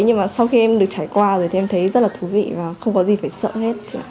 nhưng mà sau khi em được trải qua rồi thì em thấy rất là thú vị và không có gì phải sợ hết